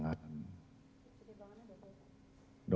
kalau anak dan dia sebagai guru